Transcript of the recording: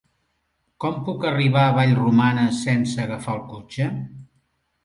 Com puc arribar a Vallromanes sense agafar el cotxe?